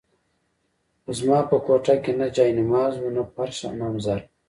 خو زما په کوټه کې نه جاینماز وو، نه فرش او نه هم ظرف.